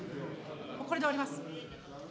もうこれで終わります。